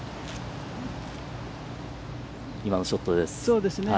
今のショットです。